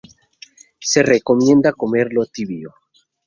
Se recomienda comerlo tibio.